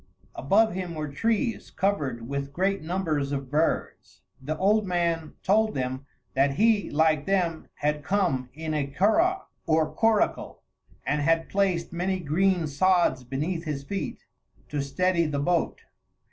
Above him were trees, covered with great numbers of birds. The old man told them that he like them had come in a curragh, or coracle, and had placed many green sods beneath his feet, to steady the boat.